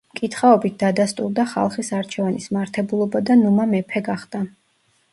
მკითხაობით დადასტურდა ხალხის არჩევანის მართებულობა და ნუმა მეფე გახდა.